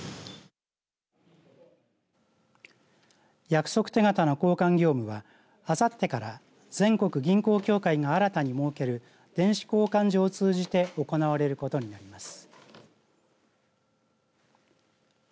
約束手形の交換業務はあさってから全国銀行協会が新たに設ける電子交換所を通じて行われることになります。